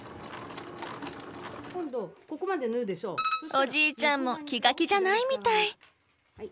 おじいちゃんも気が気じゃないみたい。